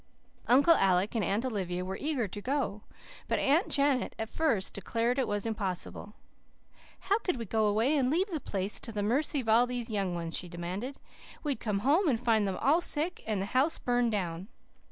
Uncle Alec and Aunt Olivia were eager to go; but Aunt Janet at first declared it was impossible. "How could we go away and leave the place to the mercy of all those young ones?" she demanded. "We'd come home and find them all sick, and the house burned down."